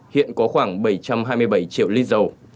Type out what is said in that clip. hiện có khoảng bảy trăm hai mươi bảy triệu lít dầu